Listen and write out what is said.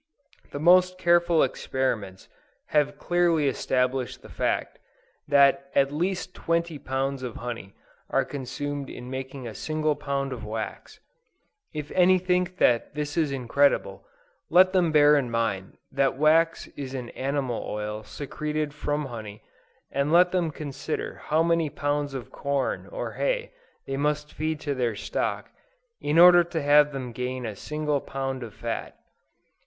The most careful experiments have clearly established the fact, that at least twenty pounds of honey are consumed in making a single pound of wax. If any think that this is incredible, let them bear in mind that wax is an animal oil secreted from honey, and let them consider how many pounds of corn or hay they must feed to their stock, in order to have them gain a single pound of fat.